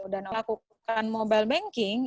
dan melakukan mobile banking